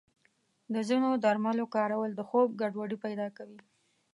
د ځینو درملو کارول د خوب ګډوډي پیدا کوي.